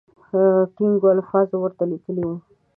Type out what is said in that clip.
ټینګو الفاظو ورته لیکلي وو.